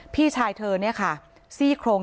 พี่ชายเธอซี่โครง